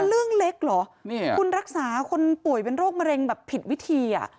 เรื่องเล็กเหรอคุณรักษาคนป่วยเป็นโรคมะเร็งแบบผิดวิธีอ่ะ